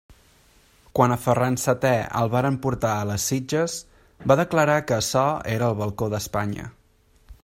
Quan a Ferran seté el varen portar a les Sitges, va declarar que açò era el balcó d'Espanya.